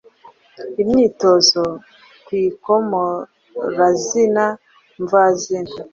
Imyitozo ku ikomorazina mvazina